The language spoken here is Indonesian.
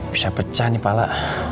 bisa pecah nih kepala